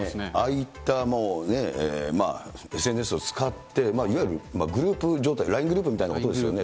ああいったもうね、ＳＮＳを使って、いわゆるグループ状態、ＬＩＮＥグループのことですよね。